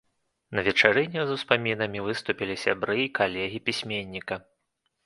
На вечарыне з успамінамі выступілі сябры і калегі пісьменніка.